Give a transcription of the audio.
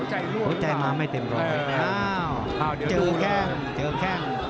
หัวใจมาไม่เต็มร้อยอ้าวเจอแข้งเจอแข้ง